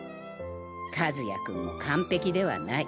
和也君も完璧ではない。